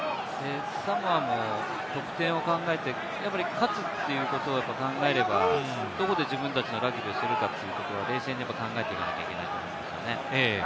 サモアも得点を考えて勝つということを考えればどこで自分たちのラグビーをするかというのは冷静に考えていなきゃいけないですね。